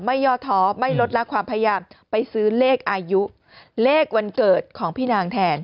ย่อท้อไม่ลดละความพยายามไปซื้อเลขอายุเลขวันเกิดของพี่นางแทน